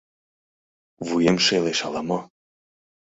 Вуем шелеш ала-мо?..